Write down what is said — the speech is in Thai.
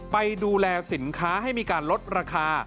ไปดูแลสินค้าให้มีการลดราคา